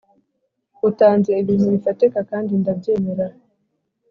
utanze. ibintu bifatika kandi ndabyemera